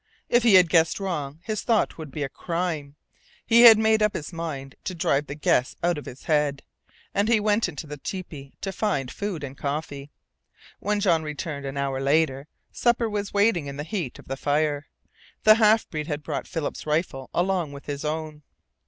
If he had guessed wrong his thought would be a crime. He had made up his mind to drive the guess out of his head, and he went into the tepee to find food and coffee. When Jean returned, an hour later, supper was waiting in the heat of the fire. The half breed had brought Philip's rifle along with his own.